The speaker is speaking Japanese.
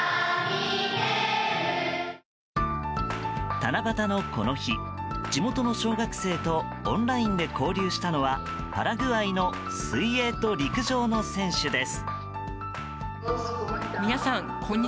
七夕のこの日、地元の小学生とオンラインで交流したのはパラグアイの水泳と陸上の選手です。